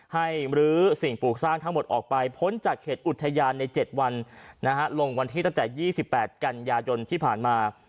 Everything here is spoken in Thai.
มรื้อสิ่งปลูกสร้างทั้งหมดออกไปพ้นจากเขตอุทยานใน๗วันลงวันที่ตั้งแต่๒๘กันยายนที่ผ่านมา